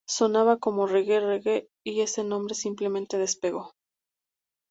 Sonaba como 'reggae, reggae' y ese nombre simplemente despegó.